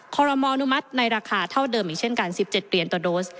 ขอรมออนุมัติในราคาเท่าเดิมอีกเช่นกัน๑๗เหรียญต่อโดส